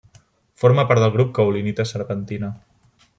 Forma part del grup caolinita-serpentina.